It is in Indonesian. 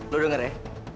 lo dengar ya